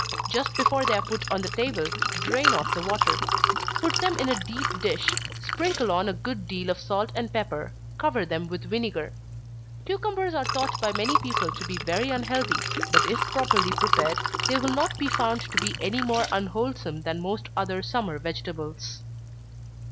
Just before they are put on the table, drain off the water. Put them in a deep dish; sprinkle on a good deal of salt and pepper cover them with vinegar. Cucumbers are thought by many people to be very unhealthy, but if properly prepared, they will not be found to be any more unwholesome than most other summer vegetables.